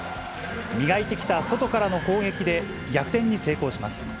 磨いてきた外からの攻撃で、逆転に成功します。